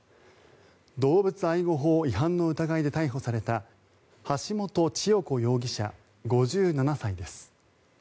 動物愛護法違反の疑いで逮捕された橋本千代子容疑者、５７歳です。